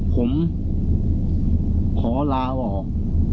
ผมขอลาออก